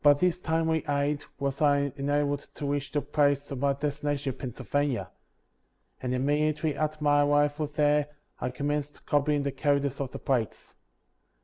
By this timely aid was I enabled to reach the place of my destination in Pennsylvania; and immediately after my arrival there I commenced copying the characters off the plates.